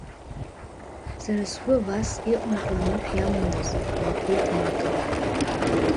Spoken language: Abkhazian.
Сара сгәы абас иҟамкәа анышә иамандаз, — лҳәеит Мака.